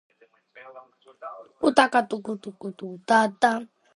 Se reunieron previamente en una capilla.